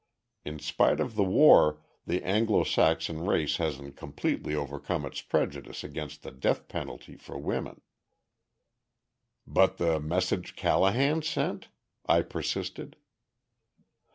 In spite of the war, the Anglo Saxon race hasn't completely overcome its prejudice against the death penalty for women." "But the message Callahan sent?" I persisted.